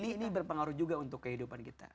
ini berpengaruh juga untuk kehidupan kita